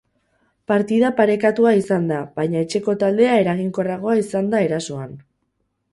Partida parekatua izan da, baina etxeko taldea eraginkorragoa izan da erasoan.